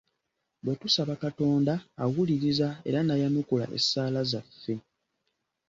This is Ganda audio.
Bwe tusaba Katonda, awuliriza era n'ayanukula essaala zaffe.